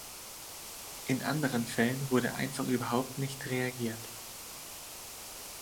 In anderen Fällen wurde einfach überhaupt nicht reagiert.